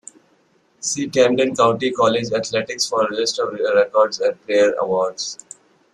"See Camden County College Athletics for a list of records and player awards".